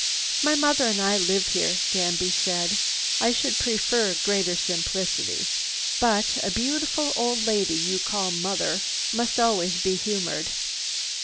"My mother and I live here," Danby said. "I should prefer greater simplicity, but a beautiful old lady you call 'mother' must always be humored."